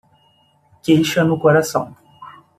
Queixa no coração